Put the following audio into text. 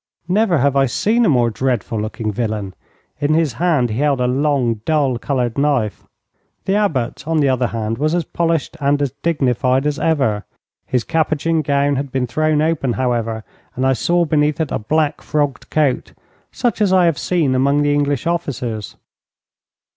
Never have I seen a more dreadful looking villain. In his hand he held a long, dull coloured knife. The Abbot, on the other hand, was as polished and as dignified as ever. His Capuchin gown had been thrown open, however, and I saw beneath it a black, frogged coat, such as I have seen among the English officers.